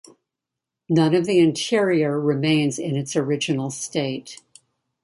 None of the interior remains in its original state.